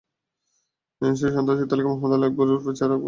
সেই সন্ত্রাসী তালিকায় মোহাম্মদ আলী আকবর ওরফে ছেঁড়া আকবরের নাম রয়েছে।